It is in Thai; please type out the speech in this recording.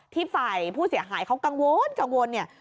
ที่ฝ่ายผู้เสียหายเขากังวลเนี่ย